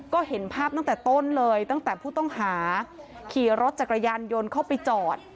ก็เห็นภาพตั้งแต่ต้นเลยตั้งแต่ผู้ต้องหาขี่รถจักรยานยนต์เข้าไปจอด